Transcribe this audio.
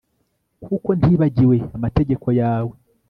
kuko ntibagiwe amategeko yawe